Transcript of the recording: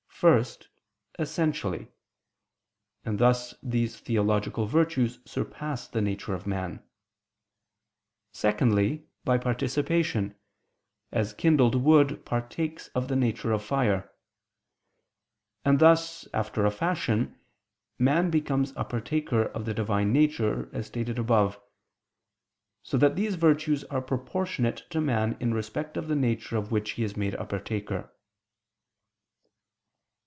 First, essentially: and thus these theological virtues surpass the nature of man. Secondly, by participation, as kindled wood partakes of the nature of fire: and thus, after a fashion, man becomes a partaker of the Divine Nature, as stated above: so that these virtues are proportionate to man in respect of the Nature of which he is made a partaker.